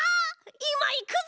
いまいくぞ！